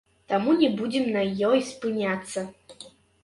Таму не будзем на ёй спыняцца.